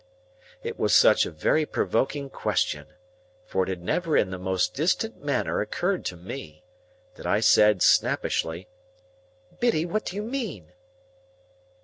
It was such a very provoking question (for it had never in the most distant manner occurred to me), that I said, snappishly,— "Biddy, what do you mean?"